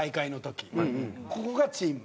ここがチーム。